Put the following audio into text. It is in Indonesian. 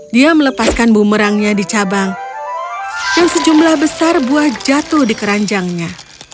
dia melepaskan bumerangnya di cabang dan sejumlah besar buah jatuh di keranjangnya